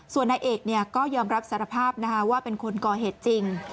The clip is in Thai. ส่วนในเอกเนี่ยก็ยอมรับสารภาพนะคะว่าเป็นคนก่อเหตุจริง